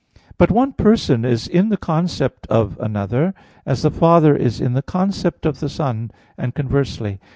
But one person is in the concept of another; as the Father is in the concept of the Son; and conversely.